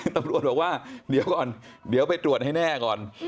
ตำรวจบอกว่าเดี๋ยวก่อนเดี๋ยวไปตรวจให้แน่ก่อน